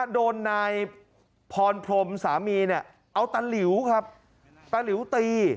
โดนนายพรพรมสามีเนี่ยเอาตาหลิวครับตาหลิวตี